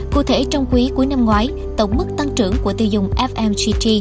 cụ thể trong quý cuối năm ngoái tổng mức tăng trưởng của tiêu dụng fmcg